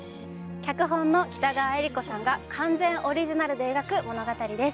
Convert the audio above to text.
脚本の北川悦吏子さんが完全オリジナルで描く物語です